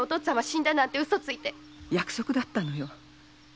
約束だったのよ。